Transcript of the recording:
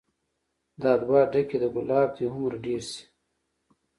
دا دوه ډکي د ګلاب دې هومره ډير شي